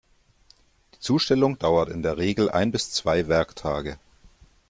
Die Zustellung dauert in der Regel ein bis zwei Werktage.